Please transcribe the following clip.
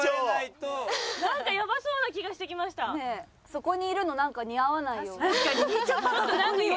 そこにいるのなんか似合わないよ。